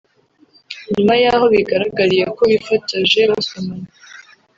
nyuma y’aho bigaragariye ko bifotoje basomana